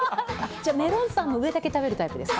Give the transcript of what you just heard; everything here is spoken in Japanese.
じゃあ、メロンパンも上だけ食べるタイプですか。